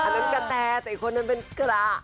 เรองั้นกระแท้ใจคนอื่นเป็นกระ